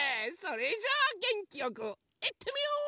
それじゃあげんきよくいってみよう！